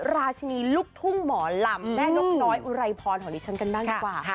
ราชินีลูกทุ่งหมอลำแม่นกน้อยอุไรพรของดิฉันกันบ้างดีกว่า